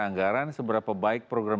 anggaran seberapa baik program